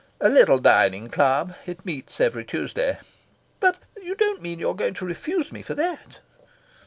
"A little dining club. It meets every Tuesday." "But you don't mean you are going to refuse me for that?"